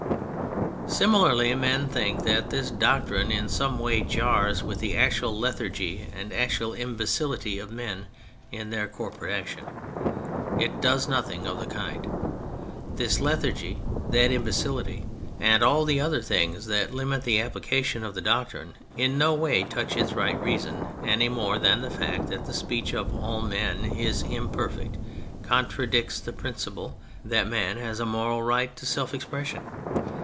Similarly, men think that this doctrine in some way jars with the actual lethargy and actual imbecility of men in their corporate action. It does nothing of the kind. This lethargy, that imbecility, and all the other things that limit the application of the doctrine, in no way touch its right reason, any more than the fact that the speech of all men is imperfect contradicts the principle that man has a moral right to self expression.